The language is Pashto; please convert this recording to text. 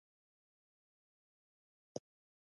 لکه په قهر کې چې موږ ته ښکنځلې را ډالۍ کوي.